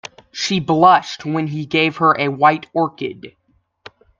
She blushed when he gave her a white orchid.